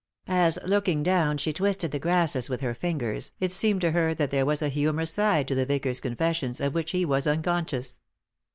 As, looking down, she twisted the grasses with her fingers, it seemed to her that there was a humorous side to the vicar's confessions of which he was unconscious.